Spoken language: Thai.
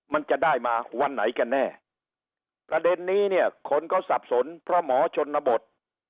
มันจะได้มาวันไหนกันแน่ประเด็นนี้เนี่ยคนก็สับสนเพราะหมอชนบท